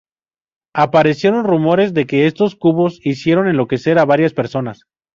Aparecieron rumores de que estos cubos hicieron enloquecer a varias personas.